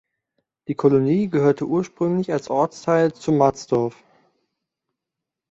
Die Kolonie gehörte ursprünglich als Ortsteil zu Matzdorf.